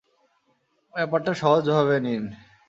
ব্যাপারটা সহজ ভাবে নিন।